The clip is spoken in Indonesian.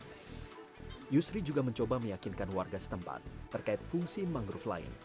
yusri juga mencoba meyakinkan warga setempat terkait fungsi mangrove lain